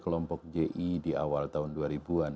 kelompok ji di awal tahun dua ribu an